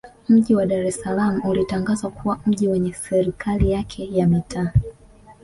Mji wa Dar es Salaam ulitangazwa kuwa mji wenye Serikali yake ya Mitaa